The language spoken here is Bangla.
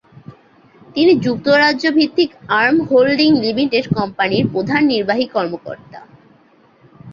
তিনি যুক্তরাজ্য ভিত্তিক আর্ম হোল্ডিং লিমিটেড কোম্পানির প্রধান নির্বাহী কর্মকর্তা।